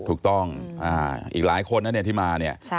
ถูกต้องอีกหลายคนนะเนี่ยที่มาเนี่ย